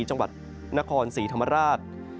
จังหวัดนครศรีธรรมราช